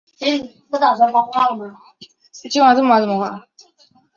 顺天府乡试第十六名。